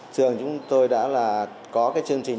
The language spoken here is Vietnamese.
trường chúng tôi đã là có cái chương trình